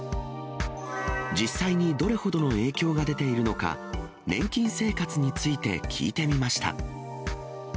実際にどれほどの影響が出ているのか、年金生活について聞いてみました。